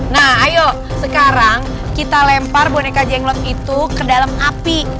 nah ayo sekarang kita lempar boneka jenglot itu ke dalam api